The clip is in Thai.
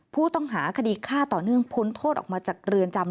ผู้ต้องหาคดีฆ่าต่อเนื่องพ้นโทษออกมาจากเรือนจำ